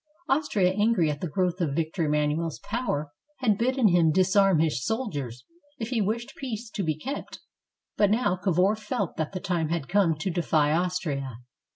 Austria, angry at the growth of Victor Emmanuel's power, had bidden him disarm his soldiers if he wished peace to be kept. But now Cavour felt that the time had come to defy Austria.